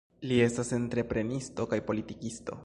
Li estas entreprenisto kaj politikisto.